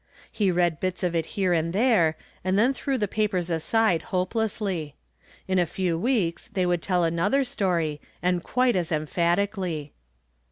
He read bits of it here and there and then threw the papers aside hopelessly. In a few weeks they would tell another story, and quite as emphatically.